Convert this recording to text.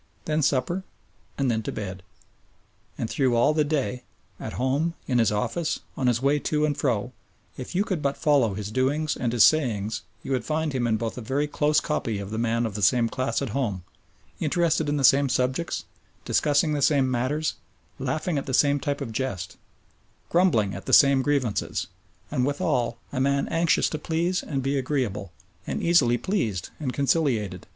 Then supper, and then to bed. And through all the day, at home, in his office, on his way to and fro, if you could but follow his doings and his sayings, you would find him in both a very close copy of the man of the same class at home, interested in the same subjects, discussing the same matters, laughing at the same type of jest, grumbling at the same grievances, and withal a man anxious to please and be agreeable, and easily pleased and conciliated.